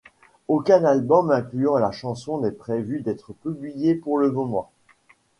Aucun album incluant la chanson n'est prévu d'être publié pour le moment.